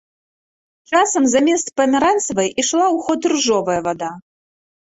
Часам замест памяранцавай ішла ў ход ружовая вада.